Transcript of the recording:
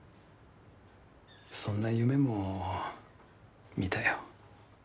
そんな夢も見たよ。